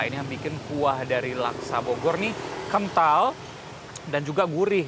ini yang bikin kuah dari laksa bogor ini kental dan juga gurih